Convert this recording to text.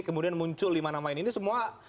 kemudian muncul lima nama ini semua